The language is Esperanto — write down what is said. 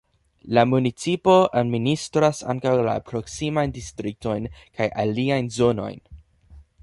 La municipo administras ankaŭ la proksimajn distriktojn kaj aliajn zonojn.